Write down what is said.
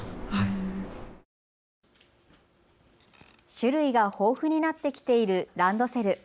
種類が豊富になってきているランドセル。